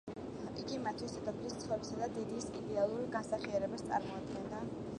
იგი მათთვის დედოფლის, ცოლისა და დედის იდეალურ განსახიერებას წარმოადგენდა.